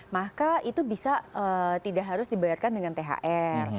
maka itu bisa tidak harus dibayarkan dengan thr